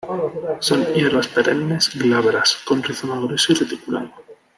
Son hierbas perennes, glabras, con rizoma grueso y reticulado.